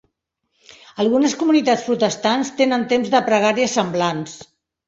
Algunes comunitats protestants tenen temps de pregària semblants.